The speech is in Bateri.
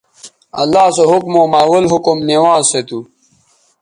اللہ سو حکموں مہ اول حکم نوانز سو تھو